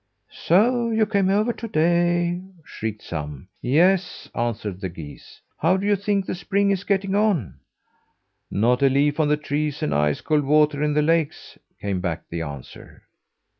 "So you came over to day?" shrieked some. "Yes," answered the geese. "How do you think the spring's getting on?" "Not a leaf on the trees and ice cold water in the lakes," came back the answer.